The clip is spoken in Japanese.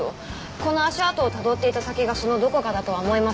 この足跡をたどっていった先がそのどこかだとは思いますけど。